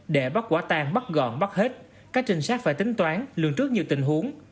để bắt quả tang bắt gọn bắt hết các trình sát phải tính toán lường trước nhiều tình huống